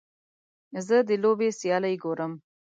زه د لوبې سیالۍ ګورم.